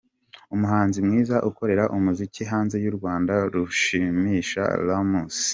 Umuhanzi mwiza ukorera umuziki hanze y’u Rwanda: Rushimisha Romulus.